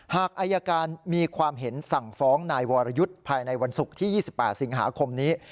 หากอายการมีความเห็นสั่งฟ้องนายวรยุทธ์ภายในวันศุกร์ที่๒๘สิงหาคมนี้